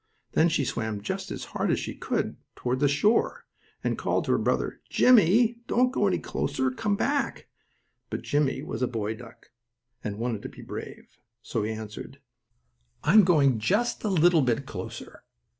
Then she swam just as hard as she could toward shore, and called to her brother: "Jimmie, don't go any closer! Come back!" But Jimmie was a boy duck, and wanted to be brave, so he answered: "I'm going just a little bit closer."